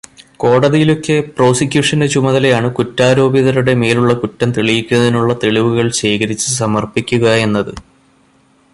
കോടതിയിലൊക്കെ പ്രോസിക്യൂഷന്റെ ചുമതലയാണ് കുറ്റാരോപിതരുടെ മേലുള്ള കുറ്റം തെളിയിക്കുന്നതിനുള്ള തെളിവുകൾ ശേഖരിച്ചു സമർപ്പിക്കുകയെന്നത്.